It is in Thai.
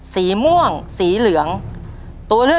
ใช่นักร้องบ้านนอก